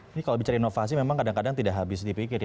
ini kalau bicara inovasi memang kadang kadang tidak habis dipikirin